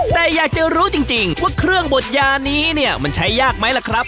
แต่อยากจะรู้จริงว่าเครื่องบดยานี้เนี่ยมันใช้ยากไหมล่ะครับ